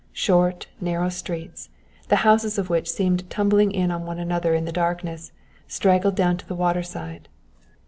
Short, narrow streets, the houses of which seemed tumbling in on one in the darkness, straggled down to the waterside.